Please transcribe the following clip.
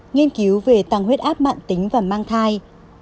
nghiên cứu về tăng huyết áp mạng tính và mang thai